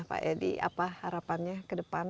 pak edi apa harapannya ke depan